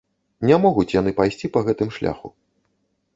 Не могуць яны пайсці па гэтым шляху.